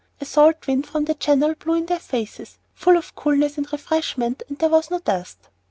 A salt wind from the channel blew in their faces, full of coolness and refreshment, and there was no dust.